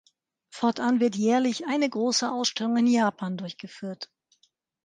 Fortan wird jährlich eine große Ausstellung in Japan durchgeführt.